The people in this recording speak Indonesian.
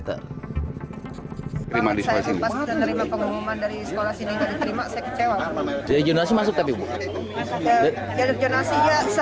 alasannya apa deh pihak sekolah tadi